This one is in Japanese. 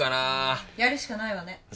・やるしかないわね。